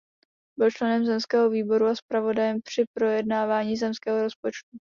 Byl členem zemského výboru a zpravodajem při projednávání zemského rozpočtu.